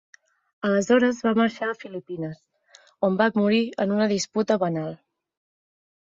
Aleshores va marxar a Filipines, on va morir en una disputa banal.